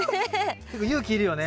結構勇気いるよね。